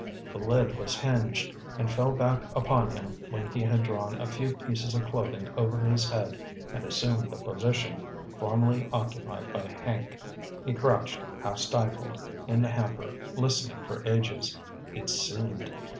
The lid was hinged, and fell back upon him when he had drawn a few pieces of clothing over his head and assumed the position formerly occupied by Hank. He crouched, half stifled, in the hamper, listening for ages—it seemed.